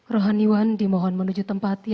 rohaniwan dimohon menuju tempatnya